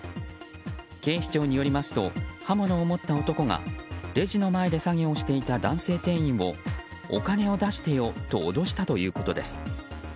警視庁によりますと刃物を持った男が、レジの前で作業をしていた男性店員をお金を出してよと脅したということです。